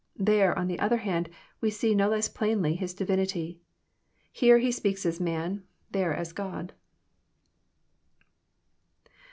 TherCt on the other hand, we see no less plainly His divinity. Here He speaks as man ; there as God.